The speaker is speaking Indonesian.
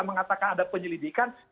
mengatakan ada penyelidikan